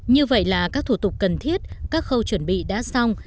như vậy là các thủ tục cần thiết các khâu chuẩn bị đã xong